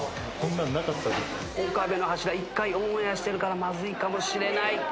岡部の柱一回オンエアしてるからまずいかもしれない。